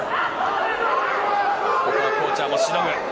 ここはコーチャーもしのぐ。